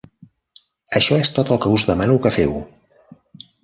Això és tot el que us demano que feu.